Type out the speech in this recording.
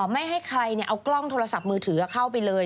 ไม่ให้ใครเอากล้องโทรศัพท์มือถือเข้าไปเลย